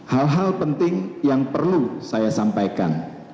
hal hal penting yang perlu saya sampaikan